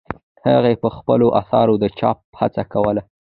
هغې په خپلو اثارو د چاپ هڅه کوله.